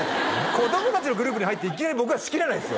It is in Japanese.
子供達のグループに入っていきなり僕が仕切らないですよ